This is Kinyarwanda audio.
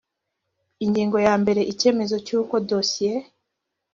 ingingo ya mbere icyemezo cy uko dosiye